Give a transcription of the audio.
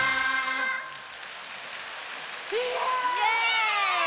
イエーイ！